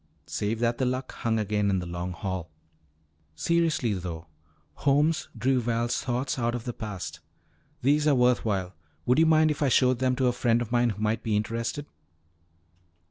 Save that the Luck hung again in the Long Hall. "Seriously, though," Holmes drew Val's thoughts out of the past, "these are worth while. Would you mind if I showed them to a friend of mine who might be interested?"